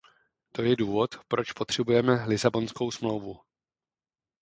To je důvod, proč potřebujeme Lisabonskou smlouvu.